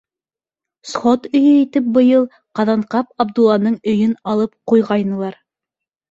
Сход өйө итеп быйыл Ҡаҙанҡап Абдулланың өйөн алып ҡуйғайнылар.